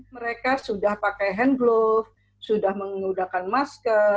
mereka sudah pakai hand glove sudah menggunakan masker